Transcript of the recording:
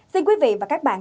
xin quý vị và các bạn